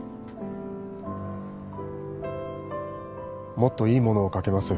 もっといいものを描けます